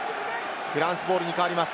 フランスボールに変わります。